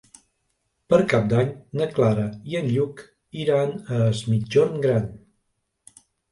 Per Cap d'Any na Clara i en Lluc iran a Es Migjorn Gran.